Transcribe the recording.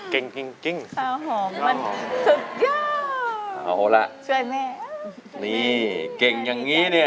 ชอบเอาหอมมันสุดยอดเอาแล้วช่วยแม่นี่เก่งอย่างงี้เนี่ย